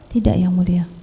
tidak yang mulia